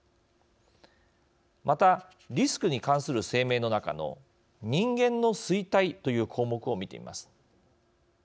またリスクに関する声明の中の人間の衰退という項目を見てみます。